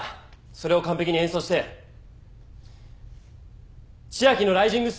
それを完ぺきに演奏して千秋のライジングスターの締めくくりだ！